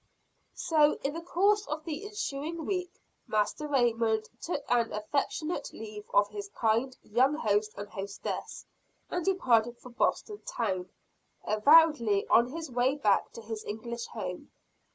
So, in the course of the ensuing week, Master Raymond took an affectionate leave of his kind young host and hostess, and departed for Boston town, avowedly on his way back to his English home.